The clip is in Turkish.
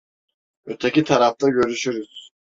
Öteki tarafta görüşürüz.